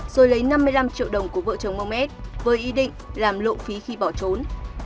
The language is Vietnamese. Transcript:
rồi lấy năm mươi năm triệu đồng của vợ chồng mung at với ý định làm lộ phí khi bỏ trốn